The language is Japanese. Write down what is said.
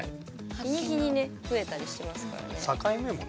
日に日にね増えたりしますからね。